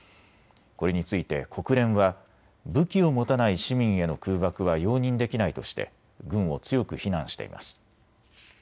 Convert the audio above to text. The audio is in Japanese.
これについて国連は武器を持たない市民への空爆は容認できないとして軍を強く非難しています。